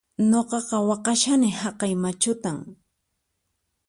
Nuqaqa waqhashani haqay machutan